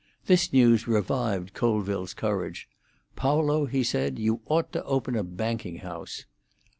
This news revived Colville's courage. "Paolo," he said, "you ought to open a banking house."